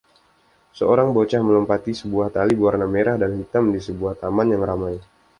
Seorang bocah melompati sebuah tali berwarna merah dan hitam di sebuah taman yang ramai.